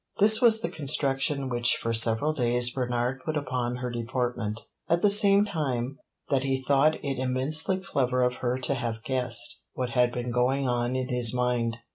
This was the construction which for several days Bernard put upon her deportment, at the same time that he thought it immensely clever of her to have guessed what had been going on in his mind.